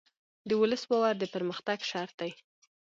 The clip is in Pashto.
د ولس باور د پرمختګ شرط دی.